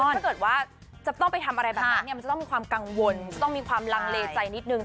ถ้าเกิดว่าจะต้องไปทำอะไรแบบนั้นเนี่ยมันจะต้องมีความกังวลจะต้องมีความลังเลใจนิดนึง